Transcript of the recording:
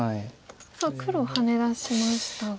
さあ黒ハネ出しましたが。